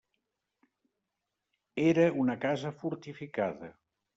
Era una casa fortificada.